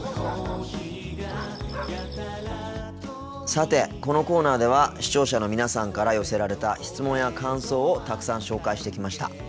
さてこのコーナーでは視聴者の皆さんから寄せられた質問や感想をたくさん紹介してきました。